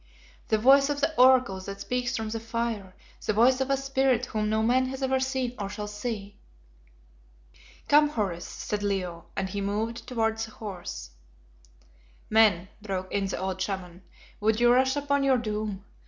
"The Voice of the Oracle that speaks from the fire. The Voice of a Spirit whom no man has ever seen, or shall see." "Come, Horace," said Leo, and he moved towards the horse. "Men," broke in the old Shaman, "would you rush upon your doom?